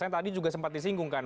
tadi juga sempat disinggungkan